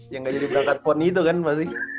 yang gak jadi belakang poni itu kan pasti